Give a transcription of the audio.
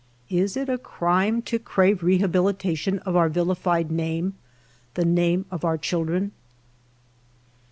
Is it a crime to crave rehabilitation of our vilified name, the name of our children